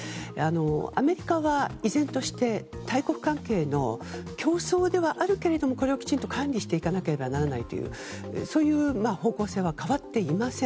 アメリカは依然として大国関係の競争ではあるけどもこれをきちんと管理していかなければならないというそういう方向性は変わっていません。